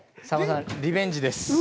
さんまさんリベンジです。